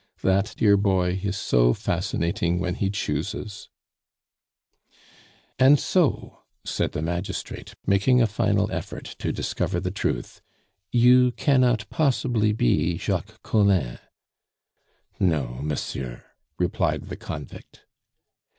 That dear boy is so fascinating when he chooses " "And so," said the magistrate, making a final effort to discover the truth, "you cannot possibly be Jacques Collin " "No, monsieur," replied the convict.